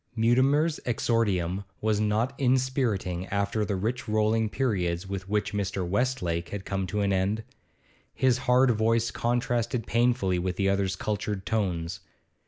Mutimer's exordium was not inspiriting after the rich rolling periods with which Mr. Westlake had come to an end; his hard voice contrasted painfully with the other's cultured tones.